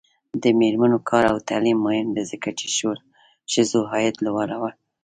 د میرمنو کار او تعلیم مهم دی ځکه چې ښځو عاید لوړولو لاره ده.